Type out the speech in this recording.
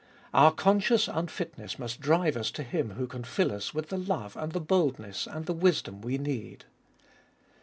Our conscious unfit ness must drive us to Him who can fill us with the love and the boldness, and the wisdom we need.